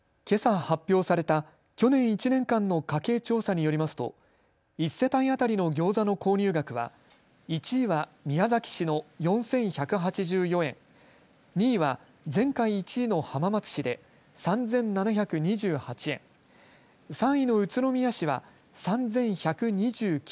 けさ発表された去年１年間の家計調査によりますと１世帯当たりのギョーザの購入額は１位は宮崎市の４１８４円、２位は前回１位の浜松市で３７２８円、３位の宇都宮市は３１２９円。